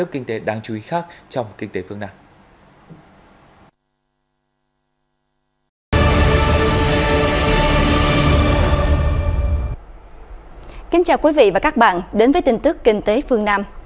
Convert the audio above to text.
kính chào quý vị và các bạn đến với tin tức kinh tế phương nam